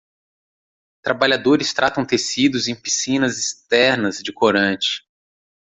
Trabalhadores tratam tecidos em piscinas externas de corante.